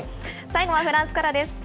最後はフランスからです。